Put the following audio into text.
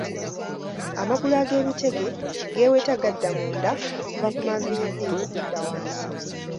Amagulu ag'ebitege geeweta gadda munda okuva ku maviivi okudda wansi.